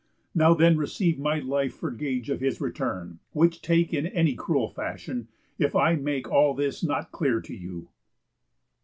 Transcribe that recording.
Now then receive My life for gage of his return; which take In any cruel fashion, if I make All this not clear to you."